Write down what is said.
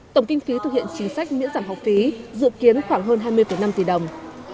tổng kinh phí thực hiện chính sách miễn giảm học phí dự kiến khoảng hơn hai mươi năm tỷ đồng